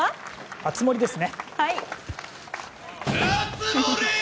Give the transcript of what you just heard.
熱盛ですね！